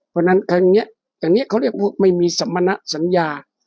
เพราะฉะนั้นครั้งนี้อย่างนี้เขาเรียกว่าไม่มีสมณะสัญญา